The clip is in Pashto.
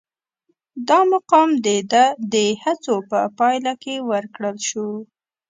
دا مقام د ده د هڅو په پایله کې ورکړل شو.